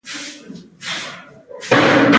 • شیدې د روغتیا د ملاتړ لپاره اړینې دي.